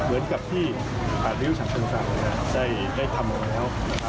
เหมือนกับที่ขาดวิวชาติเชิงศาลได้ทำมาแล้ว